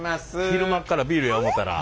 昼間っからビールや思うたら。